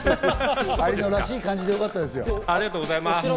有野らしい感じでよかったですよ。